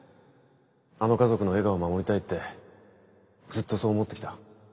あの家族の笑顔を守りたいってずっとそう思ってきた。